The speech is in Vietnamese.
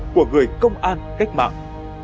của người công an cách mạng